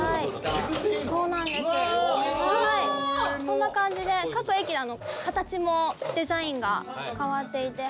こんな感じで各駅形もデザインが変わっていて。